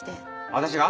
私が？